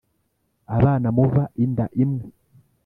abana muva inda imwe